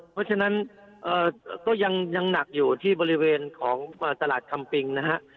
เพราะฉะนั้นก็ยังหนักอยู่ที่บริเวณของตลาดคำปิงนะฮะ